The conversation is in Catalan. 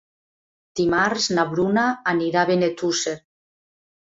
Dimarts na Bruna anirà a Benetússer.